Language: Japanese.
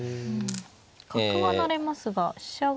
角は成れますが飛車が。